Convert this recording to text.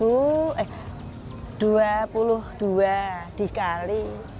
rp dua eh rp dua puluh dua dikali